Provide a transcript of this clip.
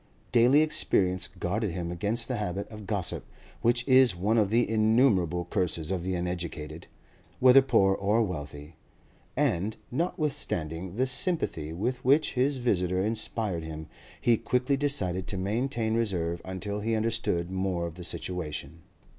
Daily experience guarded him against the habit of gossip, which is one of the innumerable curses of the uneducated (whether poor or wealthy), and, notwithstanding the sympathy with which his visitor inspired him, he quickly decided to maintain reserve until he understood more of the situation.